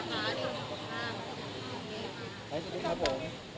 พระศักดิ์ไทย